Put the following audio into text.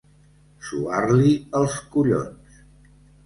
Suar-li els collons.